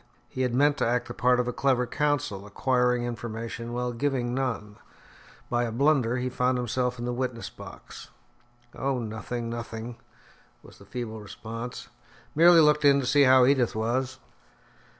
He had meant to act the part of a clever counsel, acquiring information while giving none; by a blunder, he found himself in the witness box. "Oh, nothing, nothing," was the feeble response, "merely looked in to see how Edith was."